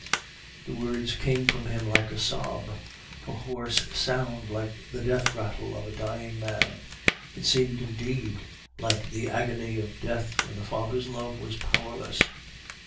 The words came from him like a sob, a hoarse sound like the death rattle of a dying man; it seemed indeed like the agony of death when the father's love was powerless.